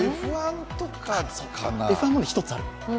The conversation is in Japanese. Ｆ１も１つある。